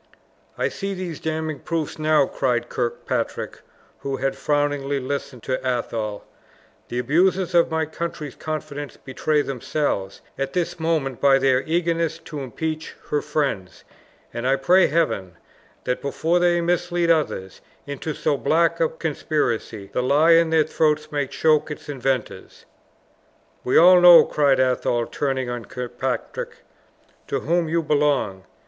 "I see these damning proofs now!" cried Kirkpatrick, who had frowningly listened to Athol; "the abusers of my country's confidence betray themselves at this moment by their eagerness to impeach her friends; and I pray Heaven, that before they mislead others into so black a conspiracy, the lie in their throats may choke its inventors!" "We all know," cried Athol, turning on Kirkpatrick, "to whom you belong.